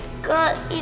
nggak nggak kena